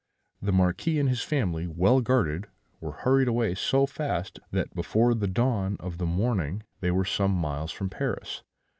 "The Marquis and his family, well guarded, were hurried away so fast that before the dawn of morning they were some miles from Paris.